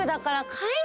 かえる？